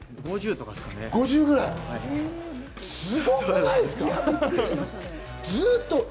すごくないですか？